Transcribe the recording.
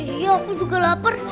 iya aku juga lapar